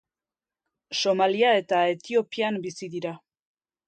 Somalia eta Etiopian bizi dira.